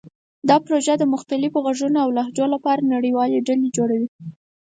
دا پروژه د مختلفو غږونو او لهجو لپاره د نړیوالې ډلې جوړوي.